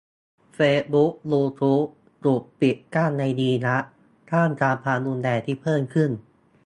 เฟซบุ๊ก ยูทูบ ถูกปิดกั้นในอิรัก ท่ามกลางความรุนแรงที่เพิ่มขึ้น